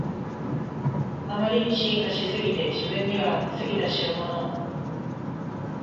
あまりに進化しすぎて自分には過ぎたしろもの